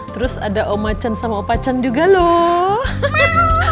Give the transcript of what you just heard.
terus ada omacan sama opacan juga loh